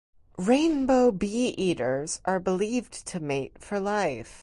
Rainbow bee-eaters are believed to mate for life.